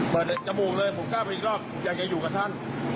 จมูกเลยผมกล้าไปอีกรอบอยากจะอยู่กับท่าน